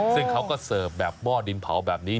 ซึ่งเขาก็เสิร์ฟแบบหม้อดินเผาแบบนี้